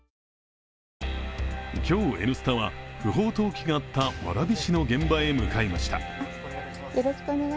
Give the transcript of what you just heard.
今日、「Ｎスタ」は不法投棄があった蕨市の現場へ向かいました。